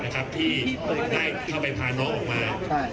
ที่ได้เข้าไปพาน้องออกมา